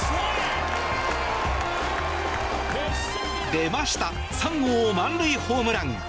出ました３号満塁ホームラン。